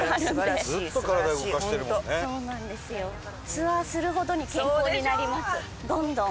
ツアーするごとに健康になりますどんどん。